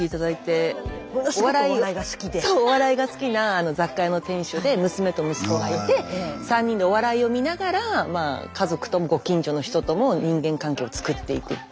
お笑いが好きな雑貨屋の店主で娘と息子がいて３人でお笑いを見ながら家族ともご近所の人とも人間関係を作っていくっていう。